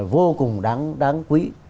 vô cùng đáng quý